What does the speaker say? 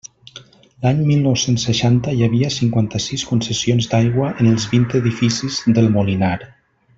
L'any mil nou-cents seixanta hi havia cinquanta-sis concessions d'aigua en els vint edificis del Molinar.